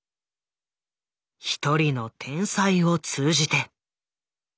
一人の天才を通じて。